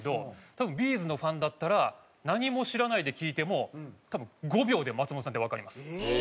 多分Ｂ’ｚのファンだったら何も知らないで聴いても多分５秒で松本さんってわかります。